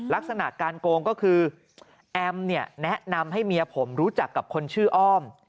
ลักษณะการโกงก็คือแอมเนี่ยแนะนำให้เมียผมรู้จักกับคนชื่ออ้อม